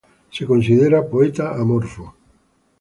Se consideraba "poeta amorfo".